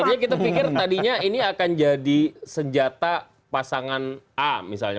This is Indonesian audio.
artinya kita pikir tadinya ini akan jadi senjata pasangan a misalnya